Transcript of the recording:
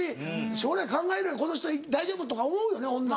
将来考える「この人大丈夫」とか思うよね女。